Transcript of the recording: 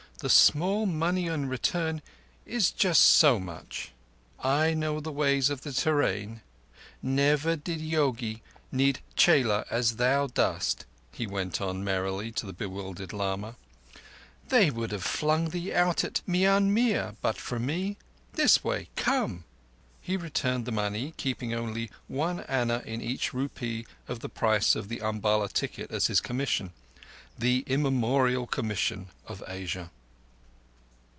The small money in return is just so much. I know the ways of the te rain ... Never did yogi need chela as thou dost," he went on merrily to the bewildered lama. "They would have flung thee out at Mian Mir but for me. This way! Come!" He returned the money, keeping only one anna in each rupee of the price of the Umballa ticket as his commission—the immemorial commission of Asia.